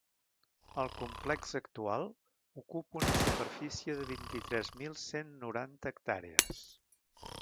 El complex actual ocupa una superfície de vint-i-tres mil cent noranta hectàrees.